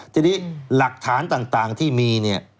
ทีนี้หลักฐานต่างที่มี